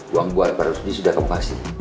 uang buah yang harus disudah kamu kasih